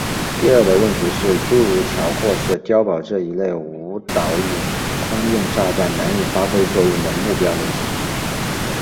第二的问题是诸如桥或是碉堡这一类无导引空用炸弹难以发挥作用的目标类型。